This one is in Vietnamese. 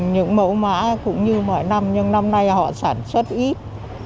những mẫu mã cũng như mọi năm nhưng năm nay họ sản xuất ít